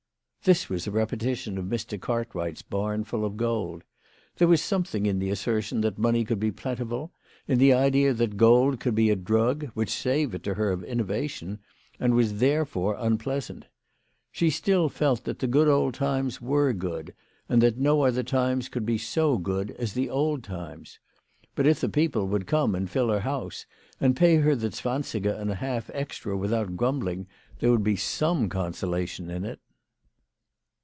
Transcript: This was a repetition of Mr. Cart Wright's barn full of gold. There was something in the assertion that money could be plentiful, in the idea that gold could be a drug, which savoured to her of innovation, and was therefore unpleasant. She still felt that the old times were good, and that no other times could be so good as the old times. But if the people would come and fill her house, and pay her the zwansiger and a half extra with out grumbling, there would be some consolation in it.